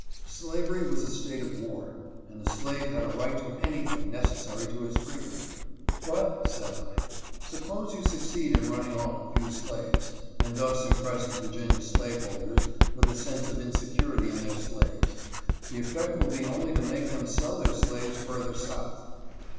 Slavery was a state of war, and the slave had a right to anything necessary to his freedom. " But," said I, " suppose you succeed in running off a few slaves, and thus impress the Virginia slaveholders with a sense of insecurity in their slaves, the effect will be only to make them sell their slaves further south."